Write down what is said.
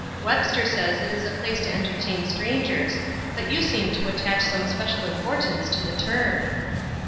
"Webster says it is a place to entertain strangers, but you seem to attach some special importance to the term."